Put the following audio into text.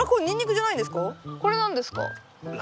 これ何ですか？